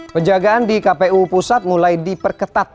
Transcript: penjagaan di kpu pusat mulai diperketat